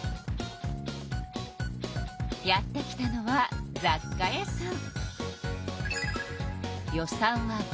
やって来たのはざっ貨屋さん。